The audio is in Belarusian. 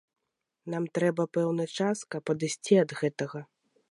Нам трэба пэўны час, каб адысці ад гэтага.